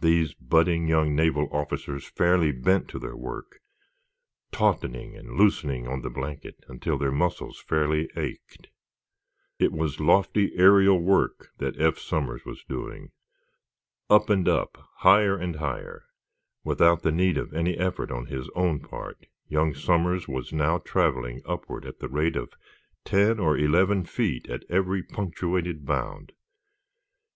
These budding young naval officers fairly bent to their work, tautening and loosening on the blanket until their muscles fairly ached. It was lofty aerial work that Eph Somers was doing. Up and up—higher and higher! Without the need of any effort on his own part young Somers was now traveling upward at the rate of ten or eleven feet at every punctuated bound.